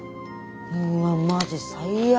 うわっマジ最悪。